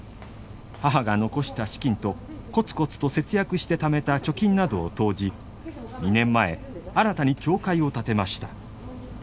母が残した資金とコツコツと節約してためた貯金などを投じ２年前新たに教会を建てました。